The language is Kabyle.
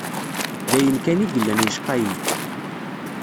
D ayen kan i yellan yecqa-yi.